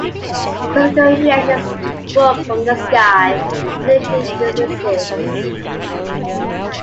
Critical reactions to "Book from the Sky" were initially dismissive.